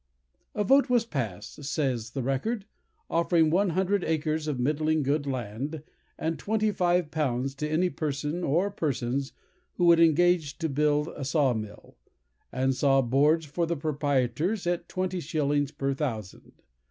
"A vote was passed," says the record, "offering one hundred acres of middling good land, and twenty five pounds, to any person or persons who would engage to build a saw mill, and saw boards for the proprietors at twenty shillings per thousand."